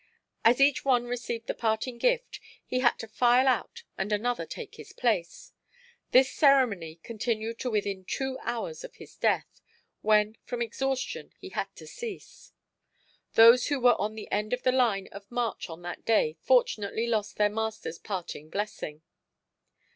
As each one received the parting gift he had to file out and another take his place. This ceremony continued to within two hours of his death, when from exhaustion he had to cease. Those who were on the end of the line of march on that day fortunately lost their master's parting blessing.